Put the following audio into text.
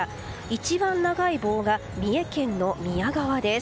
一番長い棒が三重県の宮川です。